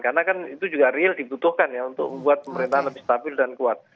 karena kan itu juga real dibutuhkan ya untuk membuat pemerintahan lebih stabil dan kuat